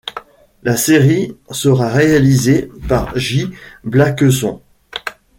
La série sera réalisé par J Blakeson.